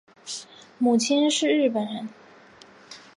母亲是日本人。